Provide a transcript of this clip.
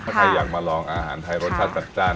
ถ้าใครอยากมาลองอาหารไทยรสชาติจัดจ้าน